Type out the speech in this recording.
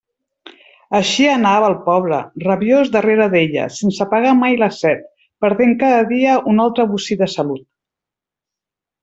Així anava el pobre, rabiós darrere d'ella, sense apagar mai la set, perdent cada dia un altre bocí de salut.